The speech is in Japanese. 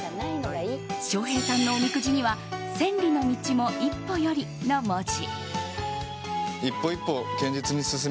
翔平さんのおみくじには千里の道も一歩よりの文字。